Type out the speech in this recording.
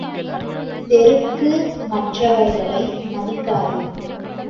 செருக்கு மற்றவர்களை மதிக்காது!